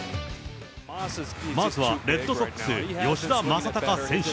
まずはレッドソックス、吉田正尚選手。